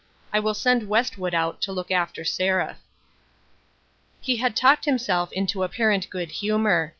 I will send West wood out to look after Seraph." He had talked himself into apparent good humor.